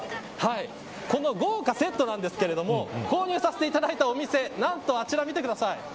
この豪華セットなんですけれども購入させていただいたお店何とあちら、見てください。